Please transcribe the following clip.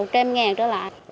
một trăm linh trở lại